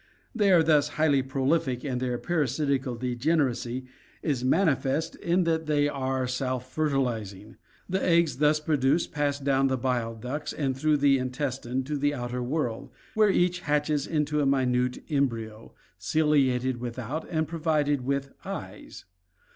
They are thus highly prolific and their parasitical degeneracy is manifest in that they are self fertilizing. The eggs thus produced pass down the bile ducts and through the intestine to the outer world, where each hatches into a minute embryo, ciliated without, and provided with eyes.